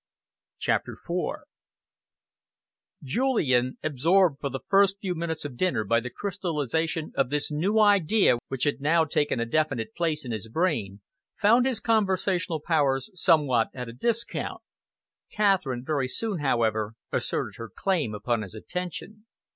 CHAPTER IV Julian, absorbed for the first few minutes of dinner by the crystallisation of this new idea which had now taken a definite place in his brain, found his conversational powers somewhat at a discount. Catherine very soon, however, asserted her claim upon his attention.